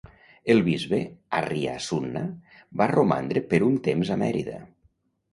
El bisbe arrià Sunna va romandre per un temps a Mèrida.